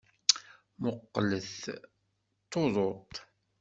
Mmuqqlet! D tuḍut!